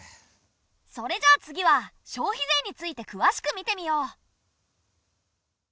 それじゃあ次は消費税についてくわしく見てみよう！